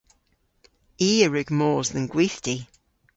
I a wrug mos dhe'n gwithti.